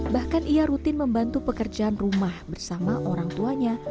bahkan ia rutin membantu pekerjaan rumah bersama orang tuanya